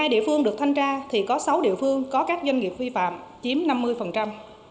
một mươi địa phương được thanh tra thì có sáu địa phương có các doanh nghiệp vi phạm chiếm năm mươi